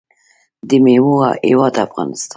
د میوو هیواد افغانستان.